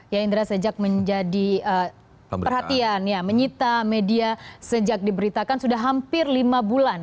ya indra sejak menjadi perhatian ya menyita media sejak diberitakan sudah hampir lima bulan